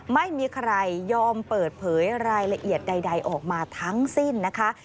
ไม่มีใครยอมเปิดเผยรายละเอียดใดออกมาทั้งสิ้นนะคะ